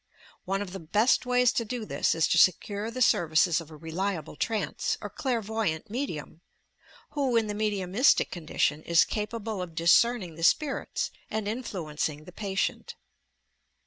One of the best ways to do this is to secure the services of a reliable trance — or clairvoyant medium, who, in the mediumistic condition, is capable of discerning the spirits, and influenciug the patient.